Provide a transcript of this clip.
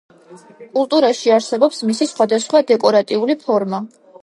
კულტურაში არსებობს მისი სხვადასხვა დეკორატიული ფორმა.